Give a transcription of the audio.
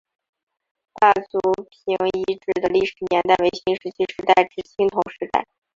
大族坪遗址的历史年代为新石器时代至青铜时代。